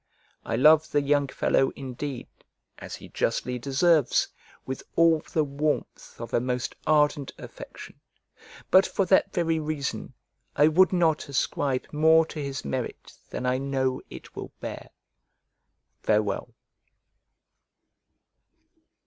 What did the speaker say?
I love the young fellow indeed (as he justly deserves) with all the warmth of a most ardent affection; but for that very reason I would not ascribe more to his merit than I know it will bear. Farewell.